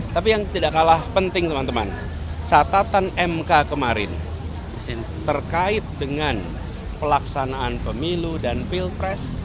tapi yang tidak kalah penting teman teman catatan mk kemarin terkait dengan pelaksanaan pemilu dan pilpres